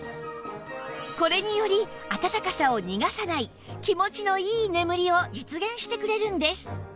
これにより暖かさを逃がさない気持ちのいい眠りを実現してくれるんです